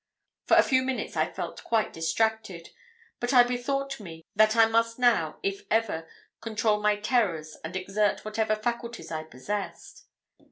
For a few minutes I felt quite distracted; but I bethought me that I must now, if ever, control my terrors and exert whatever faculties I possessed.